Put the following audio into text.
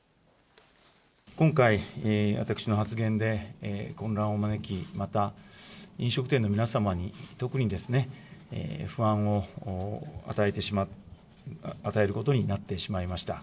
今回、私の発言で混乱を招き、また、飲食店の皆様に、特にですね、不安を与えることになってしまいました。